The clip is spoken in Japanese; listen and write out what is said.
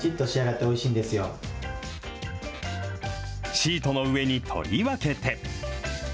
シートの上に取り分けて。